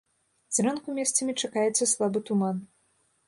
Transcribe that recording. Зранку месцамі чакаецца слабы туман.